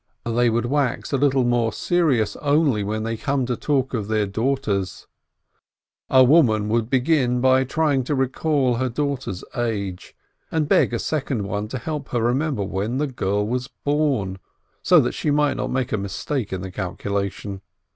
They would wax a little more serious only when they came to talk of their daughters. A woman would begin by trying to recall her daughter's age, and beg a second one to help her remember when the girl was born, so that she might not make a mistake in the calculation.